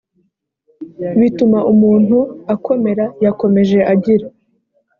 bituma umuntu akomera yakomeje agira